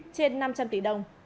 trên năm trăm linh tỷ đồng